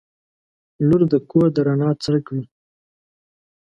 • لور د کور د رڼا څرک وي.